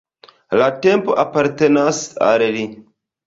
La tempo apartenas al li.